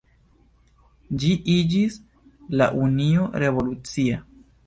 Ĝi iĝis la Unio Revolucia.